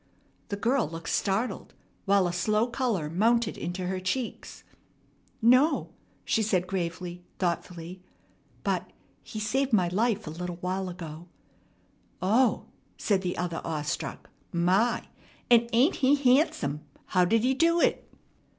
The girl looked startled, while a slow color mounted into her cheeks. "No," said she gravely, thoughtfully. "But he saved my life a little while ago." "Oh!" said the other, awestruck. "My! And ain't he handsome? How did he do it?"